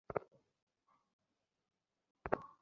আমার বাড়ি ভাড়ার টাকার কী হবে?